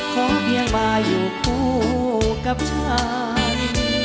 ขอเพียงมาอยู่คู่กับชาย